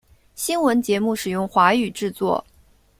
新闻节目使用华语制作。